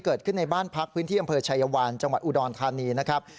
เกิดขึ้นในบ้านพักพื้นที่อำเภอชายวานจังหวัดอุดรธานีนะครับ